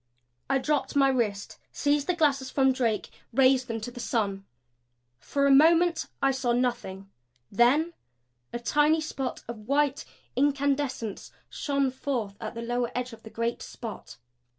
I dropped my wrist; seized the glasses from Drake; raised them to the sun. For a moment I saw nothing then a tiny spot of white incandescence shone forth at the lower edge of the great spot.